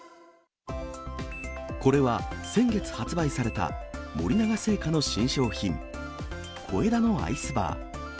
これは、先月発売された森永製菓の新商品、小枝のアイスバー。